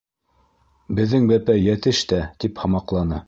Беҙҙең бәпәй йәтеш тә! - тип һамаҡланы.